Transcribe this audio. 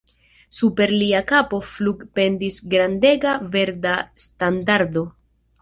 Super lia kapo flugpendis grandega verda standardo!